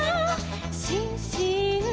「しんしん」「」